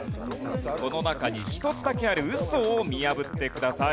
この中に１つだけあるウソを見破ってください。